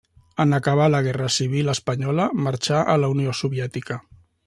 En acabar la guerra civil espanyola marxà a la Unió Soviètica.